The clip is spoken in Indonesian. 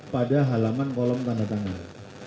pada halaman kolom penandatangan